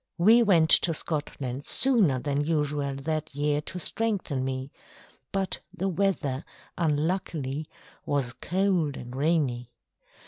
We went to Scotland sooner than usual that year to strengthen me, but the weather, unluckily, was cold and rainy.